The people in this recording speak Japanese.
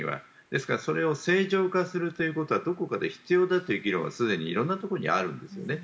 ですからそれを正常化するということはどこかで必要だという議論はすでに色んなところにあるんですよね。